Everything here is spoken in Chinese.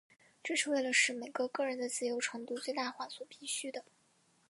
这是为了使每个个人的自由程度最大化所必需的。